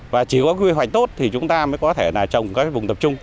và chỉ có quy hoạch tốt thì chúng ta mới có thể trồng vùng tập trung